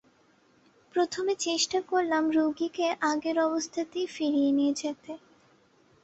প্রথমে চেষ্টা করলাম রোগীকে আগের অবস্থাতেই ফিরিয়ে নিয়ে যেতে।